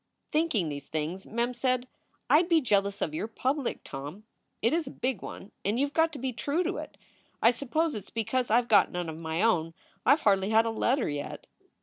Thinking these things, Mem said: "I d be jealous of your public, Tom. It is a big one and you ve got to be true to it. I suppose it s because I ve got none of my own. I ve hardly had a letter yet."